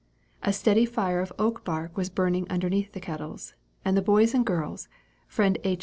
A steady fire of oak bark was burning underneath the kettles, and the boys and girls, friend H.'